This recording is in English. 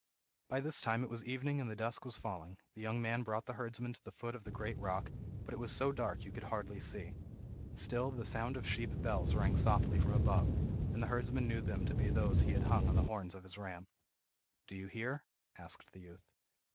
By this time it was evening and the dusk was falling. The young man brought the herdsman to the foot of the great rock, but it was so dark you could hardly see. Still the sound of sheep bells rang softly from above, and the herdsman knew them to be those he had hung on the horns of his ram. "Do you hear?" asked the youth.